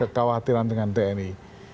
kekhawatiran dengan tni